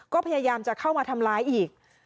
ก็พยายามจะเข้ามาทำร้ายอีก